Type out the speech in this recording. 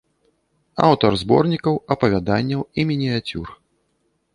Аўтар зборнікаў апавяданняў і мініяцюр.